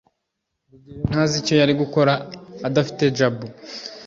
rugeyo ntazi icyo yari gukora adafite jabo